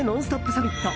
サミット。